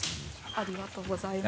ありがとうございます。